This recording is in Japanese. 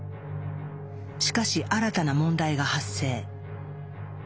しかし新たな問題が発生。